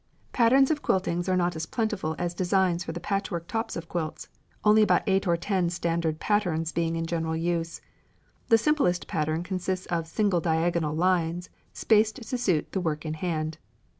Patterns of quiltings are not as plentiful as designs for the patchwork tops of quilts; only about eight or ten standard patterns being in general use. The simplest pattern consists of "single diagonal" lines, spaced to suit the work in hand.